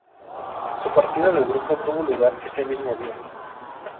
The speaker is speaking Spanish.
Su partida del grupo tuvo lugar ese mismo día.